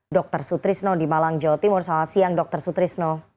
dr sutrisno di malang jawa timur selamat siang dr sutrisno